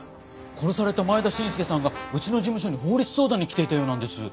殺された前田伸介さんがうちの事務所に法律相談に来ていたようなんです。